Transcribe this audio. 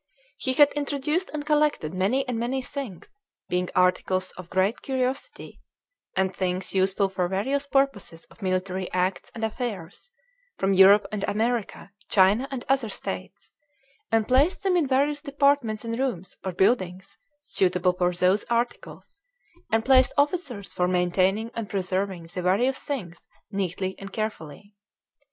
He had introduced and collected many and many things, being articles of great curiosity, and things useful for various purposes of military acts and affairs, from Europe and America, China, and other states, and placed them in various departments and rooms or buildings suitable for those articles, and placed officers for maintaining and preserving the various things neatly and carefully.